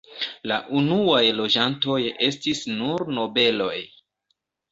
La unuaj loĝantoj estis nur nobeloj.